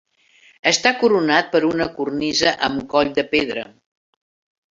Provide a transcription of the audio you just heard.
Està coronat per una cornisa amb coll de pedra.